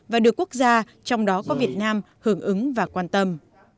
và được quốc gia trong đó có việt nam hưởng ứng và quan tâm